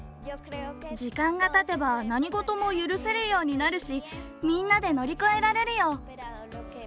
時間がたてば何事も許せるようになるしみんなで乗り越えられるよ。